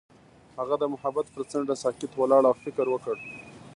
هغه د محبت پر څنډه ساکت ولاړ او فکر وکړ.